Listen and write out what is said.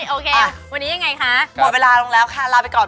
โอเควันนี้ยังไงคะหมดเวลาลงแล้วค่ะลาไปก่อน